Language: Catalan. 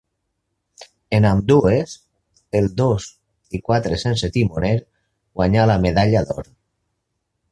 En ambdues, el dos i quatre sense timoner, guanyà la medalla d'or.